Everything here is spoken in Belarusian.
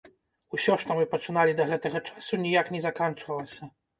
Усё што мы пачыналі да гэтага часу, ніяк не заканчвалася.